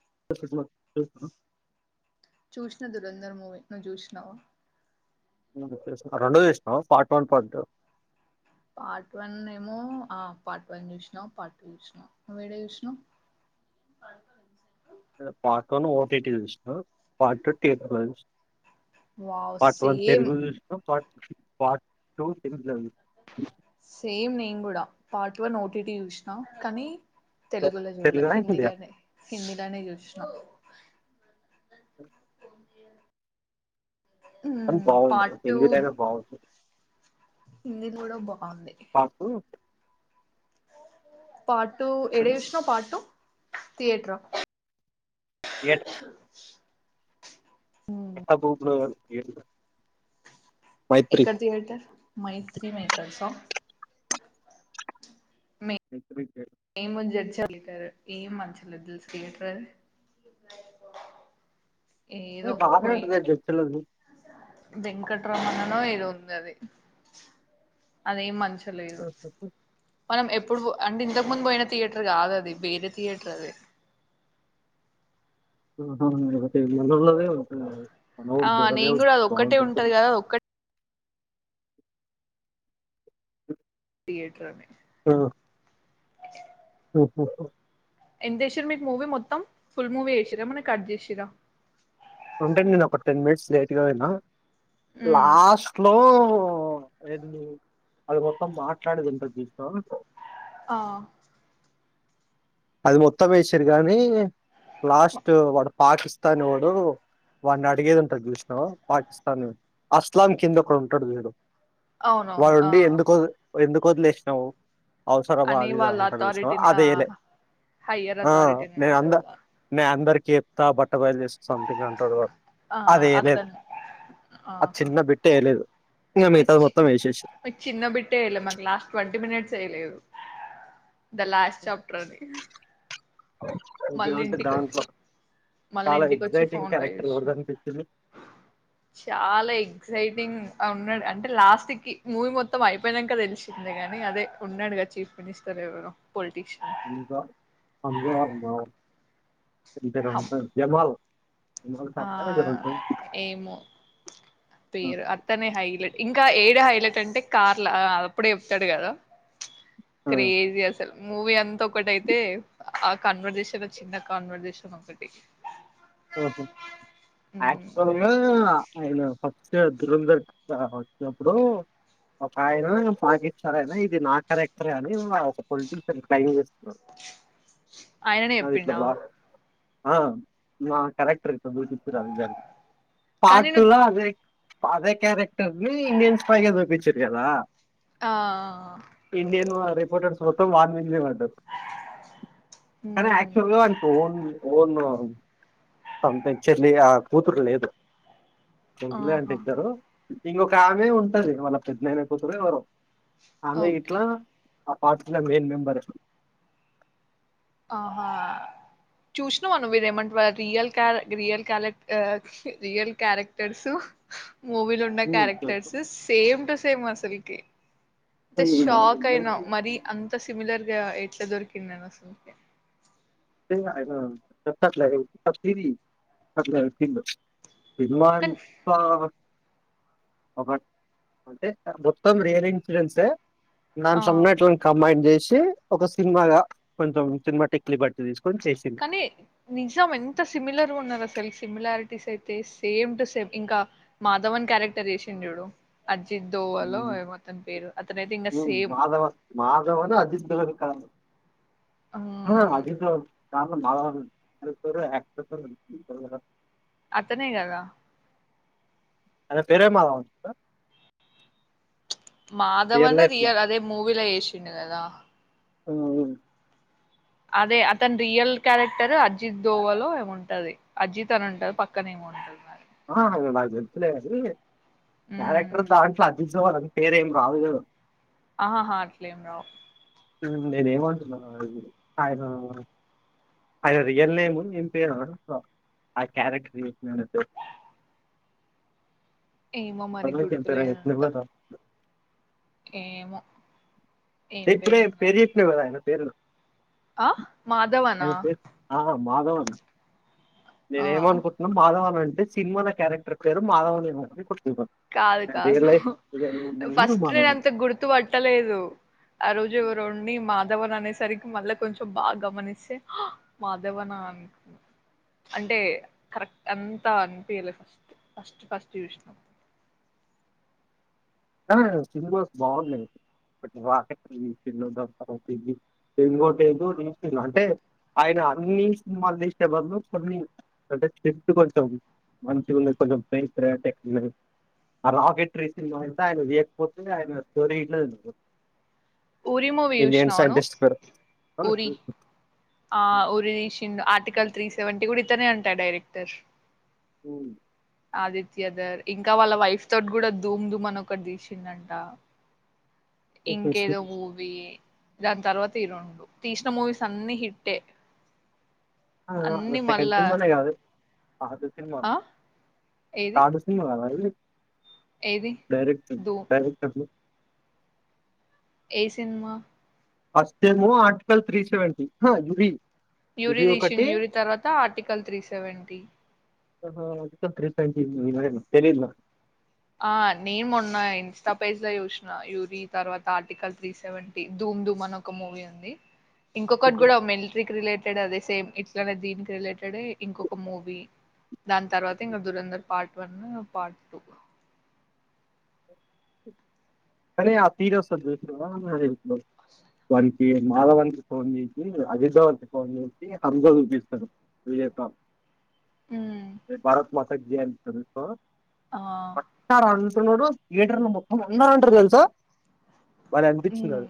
[unintelligible] చుష్ణ Dhurandhar movie నువ్ జూష్నవ రెండు చూష్ణవ part one part two part one ఏమో ఆ పార్ట్ వన్ చూష్నాపార్ట్ టూ చూష్నా నువ్వేడ చూష్నావు [unintelligible] సార్ పార్టీ ఒన ఓటీటీ చూష్ణ part take once wow part one same Telugu చూష్ణ పార్ట్ పార్ట్ టూ హిందీ ల ఉంది సేమ్ నేన్ గూడ పార్ట్ వన్ ఓటీటి చూష్ణ కానీ తెలుగులో చూడలే తెలుగు హిందీ హిందీలనే హిందీలనే చూష్ణ కాని బాగుంది హిందీ ల అయినా బాగుంది హిందీ కుడా బా పార్టీ టూ పార్ట్ టూ ఏడ చూష్ణవ్ పార్ట్ టూ థియేటర్ హ థియేటర్ ఏటా గ్రూప్ లోవోల్లు ఎడుగురం ఎక్కడ థియటర్ మైత్రి మాకర్స్ ఆ రిగ్ రిపేర్ నేము జడ్చెర్ల [unintelligible] ఏం మంచిలదు తెల్సా థియేటర్ ఏ ఏదో బాగానే ఉంటుంది జడ్చెర్ల వెంకటరమణ నో ఏదో ఉంది అది అదేం మంచ్ ఒహ్ హో హో మనం ఎప్పుడు పో అంటే ఇంతకు ముందు బోయిన థియేటర్ గాదు అది వేరే థియేటర్ అది ఉహు ఇంగ తెలియానోళ్లదే మన్ ఆ ఊరు దొర నేను దేవుడ్ కూడా అది ఒక్కటే ఉంటది బావుటాధిగా కదా అది ఒక్కటే థియేటర్నే ఓహో ఎంతషీర్ మీకు మూవీ మొత్తం ఫుల్ మూవీ ఎషిరా ఏమైనా కట్ జెషిరా అంటే మీర్ ఒక టెన్ డేస్ లేట్ గా గణేన ఉమ్ లాస్ట్ లో ఓ ఏంది అది మొత్తం మాట్లాడేది ఉంటది చూష్ణవ ఆ అది మొత్తం ఎషిరు గానీ లాస్ట్ వాడు పాకిస్తాన్ వొడు వాని అడిగేది ఉంటది జుష్ణవ పాకిస్తాన్ అస్లాం కింద ఒక్కడు ఉంటడు జుడు అవునవును ఆ వాడుండి ఎందుకు ఎందుకు వదిలేసినావు అవసరమా అని అదిది వాళ్ళ అంటరు చూసినవా అథారిటీని ఆ అదేయలే హయ్యర్ అథారిటీ ఉంటదిగ నేను అందరికి చెప్తా బట్ట బయలు చేస్త సొమెథింగ్ అంటాడు ఆ అదియలేదు అతను అది చిన్న బిట్టే ఎయలేదు నిక్ చి నిక్ చిన్న బిట్టే ఎయలే మాకు లాస్ట్ ట్వంటీ మినిట్స్ వేయలేదు ద లాస్ట్ చాప్టర్ అది ఇంకేమంటే దాంట్లో మళ్ళీ చాలా ఇంటికి వచ్చి ఎగ్జైటింగ్ ఫోన్ పే క్యారెక్టర్ ఎష్న ఎవరిది అనిపించింది చాల ఎక్సైటింగ్ ఉన్నాడు అంటే లాస్ట్ కి మూవీ మొత్తం అయిపోయినంక తెలిసింది గాని అదే ఉన్నాడు గ చీఫ్ మినిస్టర్ ఎవరో పోల్టిష్ ఇంకా పంజారాలు ఏం పేరో హమ్ ఉంటది జమల్ ఆ ఏమో పేరు అత్తనే హైలేట్ ఇంక ఏడ హైలట్ అంటే కార్ల ఆ అప్పుడే చెప్తడు కద ప్చ్ క్రేజి అసల్ మూవీ అంతా ఒకటైతే ఆ కన్వర్జేషన్ చిన్న కాన్వర్జేషన్ ఒకటి ఊహు [unintelligible] అయిన ఫస్ట్ ఇయర్ దురంధర్ వచ్చినప్పుడు ఒక ఆయన పాకిస్తానయినా ఇది నా కరెక్టరే అని ఒక పొలిటిషన్ క్లైన్ చేసుకున్నడు అయిననే చెప్పిండా ఆ మా కలెక్టర్ ఇట్ల సూపిచ్చిర్రు అది కానీ పార్ట్ టూ నువ్వు ల అదే అదే క్యారెక్టర్ని ఇండియన్ స్టైల్ లో సూపిచ్చిర్రు కదా ఆ ఇండియన్ రిపోర్టర్స్ మొత్తం వార్నింగే ఇవ్వాలి కాని అక్చ్యువల్ గ ఓం ఓం అంత ఇచ్చర్లి ఆ కూతురు లేదు ఇలే అంట ఆహా! ఇద్దరు ఇంకొక ఆమె ఉంటది వాళ్ళ పెద్నాన కూతురొ ఎవరొ ఆమె ఓకే. గిట్ల ఆ పార్టీలో మెయిన్ మెంబరు ఆహా చూసినవ నువు రేమంట వా రియల్ క్యార రియల్ క్యారెక్ చి రియల్ క్యారెక్టర్సు మూవీలో ఉన్న క్యారెక్టర్స్ సేమ్ టు సేమ్ అసలకి అంతే షాక్ అయిన మరి అంత సిమిలర్ గ ఎట్ల దొరికిందని అసలు అయినా [unintelligible] సినిమా కానీ అంత ఒక అంటే మొత్తం రియల్ ఇన్సిడెంట్స్ ఆ! నాన్ సన్నట్లను కంబైన్ చేసి ఒక సినిమాగా కొంచెం సినిమా టెక్నీ బట్టి తీసుకు కనీ నిజం ఎంత సిమిలర్గ ఉన్నది అసల్ సిమిలారిటీస్ అయితే సేమ్ టు సేమ్ ఇంక మాధవన్ క్యారెక్టర్ చేసిండుచూడు అజిత్ దోవలో ఉమ్, ఏమో అతని పేరు అతనైయితే ఇంగ ఉమ్, సేమ్ మాధవ హో హ్మ్. అది ఇంకో లోవల్ [unintelligible] అతనే గద ఆయన పేరే మాదవ అనుకుంట మాధవన్ రియల్ అదే మూవీలో చేశిండు కదా ఉ అదే అతని రియల్ క్యారెక్టర్ అజిత్ దోవాలో ఉంటది అజిత్ అని ఉంటది పక్కనే ఏమొ ఉంటది అ నాకు తెలుసులే గని ఉమ్ క్యారెక్టర్ దాంట్ల అది తేవాలని పేర్ ఏం రావు గాద ఆహా హా అట్లేంరావ్ ఇప్పుడు నేన్ ఏమంటున్నా అయినా ఆయన్ రియల్ నేమ్ అ ఏం పేర్ ఆ క్యారెక్టర్ చేసినోడి పే ఏమో మరి ఇప్పటివరకు ఏం గుర్తులే పేరు అంత చెప్పినావు కదా ఏమో ఏం ఇప్పుడే పేరుందో పేర్ చెప్పినవ్ కదా ఆయనా పేరు ఆ మాధవనా అయినా పేర్ ఆ మాధవన్ ఆ నేనేం అన్కుట్నం మాధవన్ అంటే సినిమాల క్యారెక్టర్ పేరు మాధవన్ ఏమో అని కు కాదు కాదు నేమ్ ఫస్ట్లో మాధవన్ నేనంత గుర్తు పట్టలేదు ఆ రోజు ఎవరో ఉండి మా మాధవన్ అనేసరికి మల్ల కొంచెం బాగ్ గమనిస్తే మాధవన్ న అంటే కరెక్ట్ అంతా అన్పియలేద్ ఫస్ట్ ఫస్ట్ చూసినాం. ఆ సినిమాస్ బాగున్నాయి. వాక్ నీ పిల్ [unintelligible] అంటే అయినా అన్నీ సినిమాల్ తీసే బదులు కొన్ని అంటే షిఫ్ట్ కోసం మంచిగా ఉన్నది. కొంచెం [unintelligible] ఆ రాకెట్ ట్రైన్ ఆయ్న వేక్పోతే ఆయ్న స్టోరీ ఇట్లా ఊరి మూవీ ఇండియన్ చూసినావా నువ్వు సైంటిస్ట్ గర్ ఊరి ఆ ఉరిదిషిండ్ ఆర్టికల్ త్రి సెవెన్టీ కూడా ఇతనే అంటా డైరెక్టర్ ఉమ్ ఆదిత్యధర్ ఇంకా వాళ్ళ వైఫ్ తోట్ కూడా ధూమ్ ధూమని ఒకట్ తీసిండంట ఇంకేదో మూవి దాన్ తర్వాత ఈ రెండు తీసిన మూవీస్ అన్ని హిట్టే ఆ అన్ని రొట్టె కంటే మళ్ళా మనవి కాదు పాత సినిమా ఆ ఏది పాత సినిమా భలేవుంది. ఏది డైరెక్ట్ ధూమ్ డైరెక్ట్లు ఏ సిన్మా ఫస్ట్ ఏమో ఆర్టికల్ త్రీ సెవెన్టీ హ యూరి యూరి రీషన్ యూరి తర్వాత ఆర్టికల్ త్రీ సెవెన్టీ ఆహా ఆర్టికల్ త్రీ [unintelligible] తెలిద్ నాక్ ఆ నే మొన్న ఇన్స్టా పేజ్ ల చూసిన యూరి తర్వాత ఆర్టికల్ త్రీ సెవెంటీ దూ ముందు మనో ఒక మూవీ ఉంది. ఇంకొకట్ కూడా మిల్ట్రీ రిలే ఇక్కడ అదే సేమ్ ఇట్లనే దీనికి రిలేటెడ్ ఏ ఇంకొక మూవీ దాని తర్వాత ఇంకా Dhurandhar part one part two కనీ అ తీర్ ఒస్తది చూస్నవా వానికి మాలవంతి ఫోన్ చేసి అజితవంతి ఫోన్ చేసి హంస చూపిస్తరు. విజయ్ కా ఉమ్ భారత మాత జై [unintelligible] చూస్నావ ఆ పక్క తునోడు థియేటర్ లో మొత్తం ఉన్నారంటారు తెల్సా. భలే అనిపించింది. ఉమ్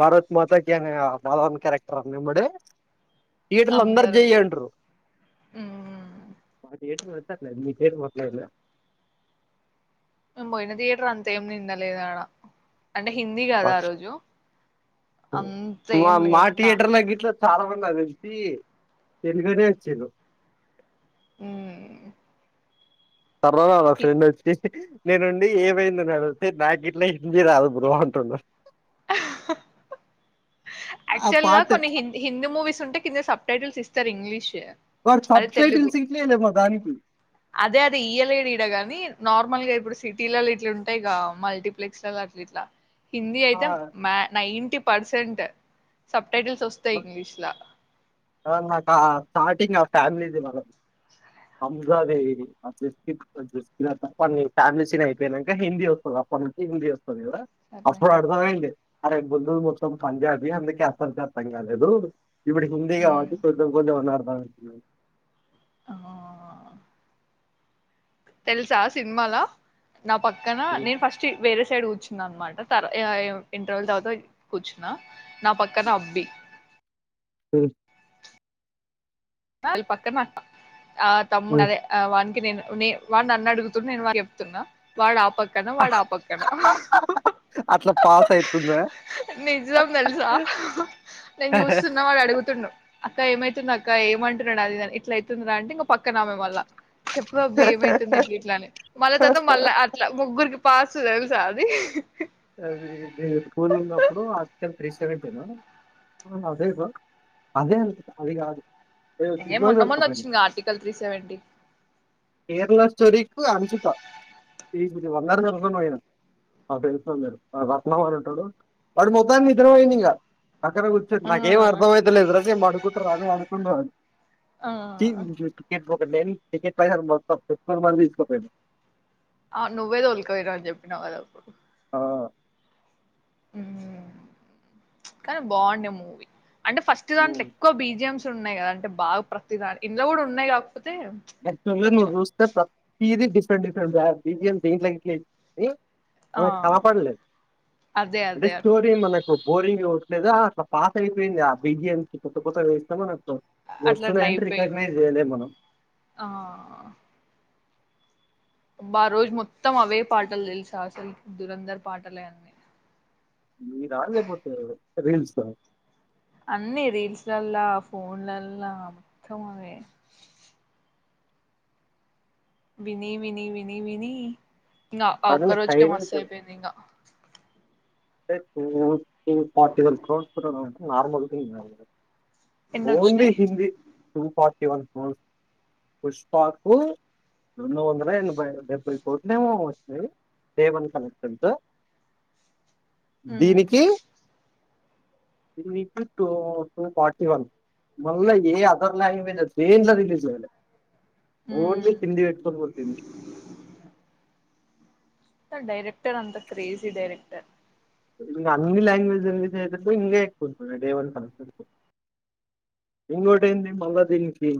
భారత్ మాతాకి అనే ఆ ఫార్నర్ క్యారెక్టర్ అ నిమ్డి అందర్ ఊమ్ థియేటర్ లో వత్తె అట్లా నీకు ఏతట్లే మేమ్ పోయిన థియేటర్ అంతా ఏం నిండలేద్ ఆడ అంటే హిందీ కదా ఆ రోజు అంత మా ఏం మా లేక్క థియేటర్‌లో గిట్ల చాలా మంది అద్ తేలిసి తెలుగనే వచిర్రు ఊమ్ టర్వాలాల ఫ్రెండ్ ఒచ్చి నేనుండి ఏమైంది అని అడిగితే నాక్ గిట్లా హిందీ రాదు బ్రో అంటుండు ఆహ్ హ హ ఆ ఆక్చల్ గా పాట కొన్ని హిందీ హిందీ మూవీస్ ఉంటే కింద సబ్ టైటిల్స్ ఇస్తారు ఇంగ్లీష్ మరి అదే సబ్ తెలుగు టైటిల్స్ ఇయ్యలే మనదానికి అదే అది ఇయ్యలేదీడ గాని నార్మల్ గా ఇప్పుడు సిటీలల్ల ఇట్లు ఉంటాయి క మల్టీప్లెక్స్ దీంట్ల హిందీ ఆ అయితే మ్య నైంటీ పర్సెంట్ సబ్ టైటిల్స్ వస్తాయి ఇంగ్లీష్ లా నాకు స్టార్టింగ్ నా ఫ్యామిలీది మనది Amrita Devi the family scene అయిపోయినంక హిందీ వస్తది అప్ పన్ హిందీ వస్తది కదా సర్లే అప్పుడు అర్థం అయింది అరేయ్ గొందులు మొత్తం పంజాబి అందుకే అస్సల్కే అర్ధం కాలేదు ఇప్పుడు ఉమ్ హిందీగావట్టి కొంచెం కొంచెం అయిన అర్థం అయితుంది ఆ తెలుసా సినిమాల నా పక్కన నేను ఫస్ట్ వేరే ఇటుసైడ్ కూర్చున్నా అన్నమాట తర్ ఇంటర్వల్ తర్వాత కూర్చున్నా నా పక్కన అబ్బి ఉమ్ వాల్ పక్కన అక్క ఆ తమ్ముడదే ఆ వాని నేను నేను వాడునన్నడుగుతుండు నేను వానికి చెప్తున్నా వాడు పక్కన వాడాపక్కన అట్లా పాస్ అయితుందా నిజం తెలుసా నేను చూస్తున్నా వాడు అడుగుతుండు అక్క ఏమైతుంది అక్క ఏమంటున్నాడు అది ఇదని ఇట్ల అయితుందిరా అంటే ఇంగ పక్కనామే మల్ల చెప్పు అబ్బి ఏమైతుంది ఇట్లా ఇట్ల అని మళ్ళ తరువాత మళ్ళా అట్లా ముగ్గురికి పాస్ తెల్సా అది అది ఇది స్కూల్లున్నప్పుడు హాస్టల్ త్రీ సెవెంటిను ఆ అదే నా అదే అనుకుంట అదిగాదు ఏ మొన్న మొన్న వచ్చింది ఆర్టికల్ త్రీ సెవెంటీ కేరళ స్టోరీకి అను చుట్టా [unintelligible] ఆ పెరుతోని లేరు ఆ రత్నం అనేటోడు వాడు మొత్తాన్నికి నిద్ర పోయిండు ఇంకా అక్కడ కూర్చోండి నాకేం ఆ అర్థం అయిత లేదు రా నేన్ పండుకుంటారని అని పడుకుండు వాడు టి టికెట్ బొక్క నెన్ [unintelligible] ఆ నువ్వే తోల్కపోయినవని చెప్పినవు కదప్పుడు ఊమ్ కానీ బాగుండే మూవీ అంటే ఫస్ట్ దాంట్లో ఎక్కువ బీజిఎం మ్స్ ఉన్నాయి కదా అంటే బాగా ప్రతిదానికి ఇండ్ల కూడా ఉన్నాయి కద ఆక్చవల్ గా నువ్వు చూస్తె ప్రతీది డిఫరెంట్ డిఫరెంట్ ధ్యం బి జి ఎమ్ దింట్లోకి కి ఆ! మనకి కాపాడలేదు అదే. అయితే అదే. స్టోరీలు మనకు బోరింగ్ లేదా అట్లా పాత అయిపోయింది ఆ బిజిఎం కొత్త కొత్త వేస్తాం మనం అట్లా అట్లా వస్తున్నాయంటే అయిపోయింది. రికగ్నైజ్ చేయలేం మనం ఆ అబ్బ ఆ రోజు మొత్తం అవే పాటలు తెలుసా అసలు దురంధర్ పాటలే అన్నీ మీరా లేపోతే రిల్సా అన్నీ రీల్స్లల్లా ఫోన్లల్లా మొత్తం అవే విని విని విని వినీ ఇంగ ఆ అదే ఒక్క రోజుకే సైలెన్స్ మస్తయిపోయిందింగా అంటే ఇప్పుడు టూ ఫార్టీ వన్ కోర్స్ పెట్టాలంటే నార్మల్ థింగ్ కాదు కదా ఓన్లీ ఎన్నొచ్చినయి? Hindi two forty one crores పుష్పాకు రెండు వందల ఎనభై డెబ్బై కోట్లు ఏమో వచ్చినాయి డే వన్ కలెక్షన్స్ హ్మ్. దీనికి దీనికి టూ టూ ఫార్టీ వన్ మళ్ళ ఏ అదర్ లాంగ్వేజెస్ దేంట్ల రిలీజ్ అవలే ఓన్లీ హ్మ్. హిందీ పెట్టుకొని కొట్టింది ఆ డైరెక్టర్ అంత క్రేజి డైరెక్టర్ ఇంగ అన్ని లాంగ్వేజ్ లోను రిలీజ్ అయ్యేటప్పుడు ఇంగ ఎక్కువ ఉంటుంది డే వన్ కలెక్షన్ ఇంకోటెంది మల్లాదినికి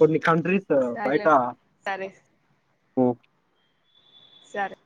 కొన్ని కంట్రీస్ సరేలే బయట సరే ఓ సరే